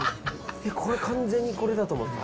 完全にこれだと思ってた。